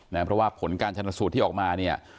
เพราะว่าผลการชนสูตรที่ออกมาเนี่ย